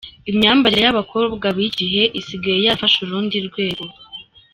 Imyambarire y’abakobwa biki gihe isigaye yarafashe urundi rwego .